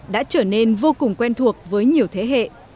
đã trở nên vô cùng quen thuộc với nhiều thế hệ